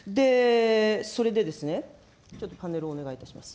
それで、ちょっとパネルをお願いいたします。